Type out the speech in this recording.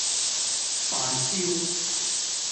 飯焦